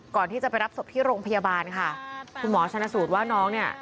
ก่อนที่จะไปรับศพที่โรงพยาบาลค่ะคุณหมอชนสูตรว่าน้องเนี่ย